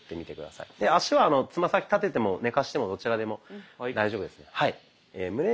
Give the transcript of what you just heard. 足はつま先立てても寝かしてもどちらでも大丈夫ですので。